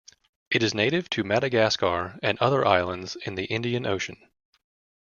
It is native to Madagascar and other islands in the Indian Ocean.